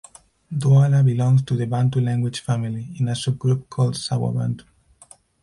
Douala belongs to the Bantu language family, in a subgroup called Sawabantu.